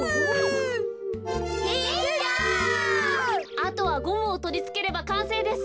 あとはゴムをとりつければかんせいです。